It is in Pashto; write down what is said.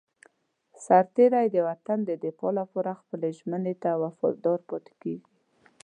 سرتېری د وطن د دفاع لپاره خپلې ژمنې ته وفادار پاتې کېږي.